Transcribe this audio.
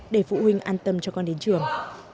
để phụ huynh an tâm cho con đến trường